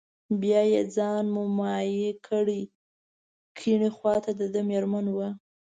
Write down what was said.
بیا یې ځان مومیا کړی، کیڼې خواته دده مېرمن وه.